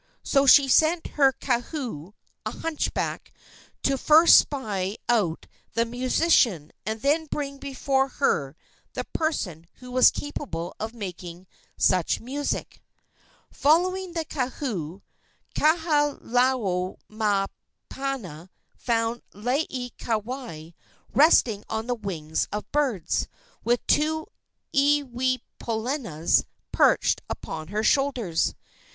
So she sent her kahu, a hunchback, to first spy out the musician, and then bring before her the person who was capable of making such music. Following the kahu, Kahalaomapuana found Laieikawai resting on the wings of birds, with two iiwipolenas perched upon her shoulders.